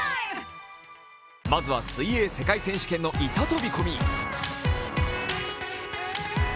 まずは水泳世界選手権の板飛び込み。